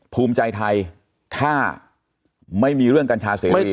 ภูมิใจไทยถ้าไม่มีเรื่องกัญชาเสรี